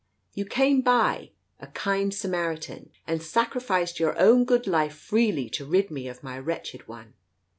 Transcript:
You came by, a kind Samaritan, and sacrificed your own good life freely to rid me of my wretched one.